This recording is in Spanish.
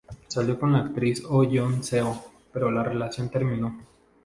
Salió con la actriz Oh Yeon-seo, pero la relación terminó.